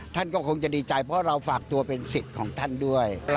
ท่านก็คงจะดีใจเพราะเราฝากตัวเป็นสิทธิ์ของท่านด้วย